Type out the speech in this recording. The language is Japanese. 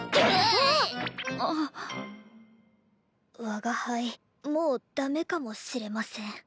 我が輩もうダメかもしれません。